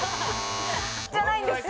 じゃないんです